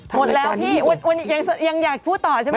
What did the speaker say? หมดแล้วพี่อ้วนยังอยากพูดต่อใช่ไหม